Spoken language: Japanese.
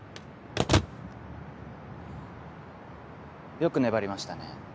よく粘りましたね